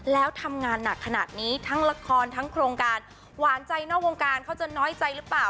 แล้วทำงานหนักขนาดนี้ทั้งละครทั้งโครงการหวานใจนอกวงการเขาจะน้อยใจหรือเปล่า